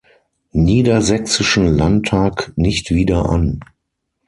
Niedersächsischen Landtag nicht wieder an.